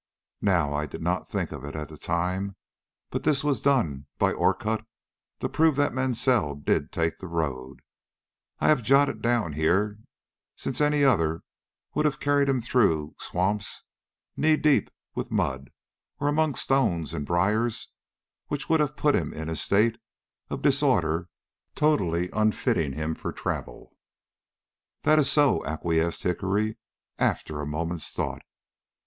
Now, I did not think of it at the time, but this was done by Orcutt to prove that Mansell did take the road I have jotted down here, since any other would have carried him through swamps knee deep with mud, or amongst stones and briers which would have put him in a state of disorder totally unfitting him for travel." "That is so," acquiesced Hickory, after a moment's thought.